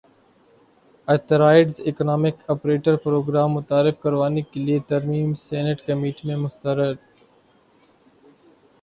authorised economic operator programme متعارف کروانے کیلئے ترمیم سینیٹ کمیٹی میں مسترد